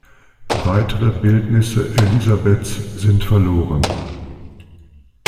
Weitere Bildnisse Elisabeths sind verloren.